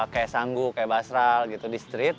kayak sanggu kayak basral gitu di street